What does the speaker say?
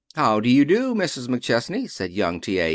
"How do you do, Mrs. McChesney," said Young T. A.